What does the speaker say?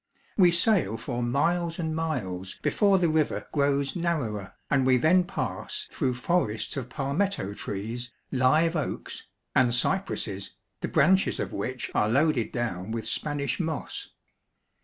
We sail for miles 32 THE SOUTH. and miles before the river grows narrower, and we then pass through forests of palmetto trees, live oaks, and cypresses, the branches of which are loaded down with Spanish moss.